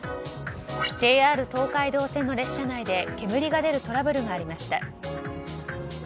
ＪＲ東海道線の列車内で煙が出るトラブルがありました。